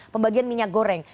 pembagian minyak goreng